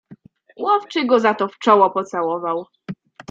"Łowczy go za to w czoło pocałował."